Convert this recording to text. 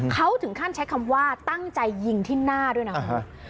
เขาถึงขั้นใช้คำว่าตั้งใจยิงที่หน้าด้วยนะครับ